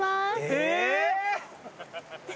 え！